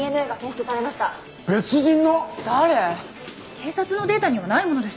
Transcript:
警察のデータにはないものです。